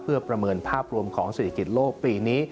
เพื่อประเมินภาพรวมของเศรษฐกิจโลกปีนี้